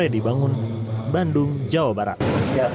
namun bandung jawa barat